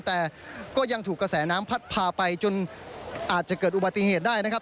แต่ก็ยังถูกกระแสน้ำพัดพาไปจนอาจจะเกิดอุบัติเหตุได้นะครับ